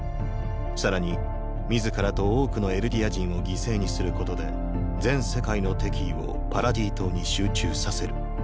さらに自らと多くのエルディア人を犠牲にすることで全世界の敵意をパラディ島に集中させる。